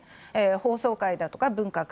法曹界だとか文化界。